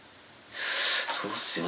そうっすよね。